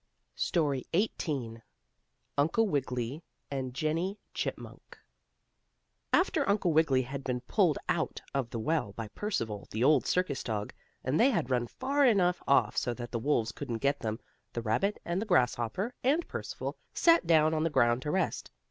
STORY XVIII UNCLE WIGGILY AND JENNIE CHIPMUNK After Uncle Wiggily had been pulled up out of the well by Percival, the old circus dog, and they had run far enough off so that the wolves couldn't get them, the rabbit and the grasshopper and Percival sat down on the ground to rest.